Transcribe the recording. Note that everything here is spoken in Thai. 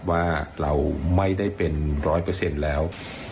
ว่าเราไม่ได้เป็นร้อยเปอร์เซ็นต์แล้ว